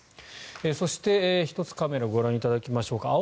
そして、１つカメラをご覧いただきましょうか。